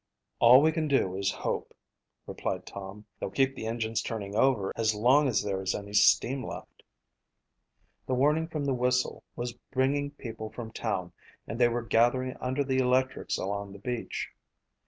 "All we can do is hope," replied Tom. "They'll keep the engines turning over as long as there is any steam left." The warning from the whistle was bringing people from town and they were gathering under the electrics along the beach.